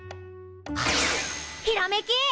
ひらめきっ！